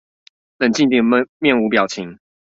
冷靜地面無表情